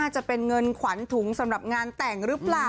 จะเป็นเงินขวัญถุงสำหรับงานแต่งหรือเปล่า